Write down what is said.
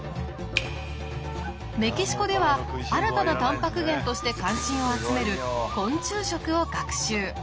メキシコでは新たなタンパク源として関心を集める昆虫食を学習。